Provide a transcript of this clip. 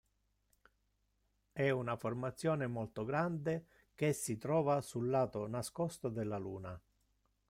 È una formazione molto grande che si trova sul lato nascosto della Luna.